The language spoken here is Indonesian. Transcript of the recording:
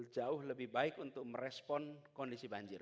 jauh lebih baik untuk merespon kondisi banjir